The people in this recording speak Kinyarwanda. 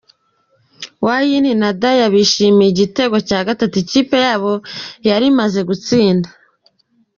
Wayini na Daya bishimira igitego cya gatatu ikipe yabo yari imaze gutsinda .